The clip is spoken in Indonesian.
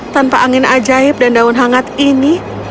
tanpa angin ajaib dan daun hangat ini